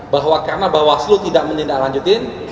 bahwa karena bawaslu tidak menindaklanjutin